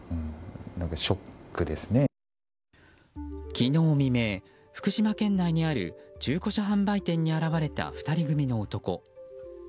昨日未明、福島県内にある中古車販売店に現れた２人組の男。